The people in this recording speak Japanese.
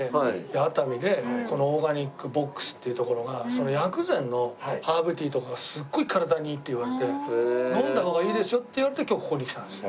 熱海でこのＯｒｇａｎｉｃＢｏｘっていう所が薬膳のハーブティーとかがすごい体にいいって言われて飲んだ方がいいですよって言われて今日ここに来たんですよ。